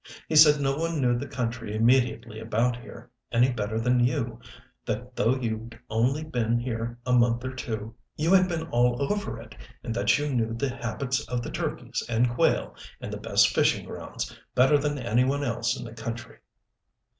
He said no one knew the country immediately about here any better than you that though you'd only been here a month or two you had been all over it, and that you knew the habits of the turkeys and quail, and the best fishing grounds, better than any one else in the country."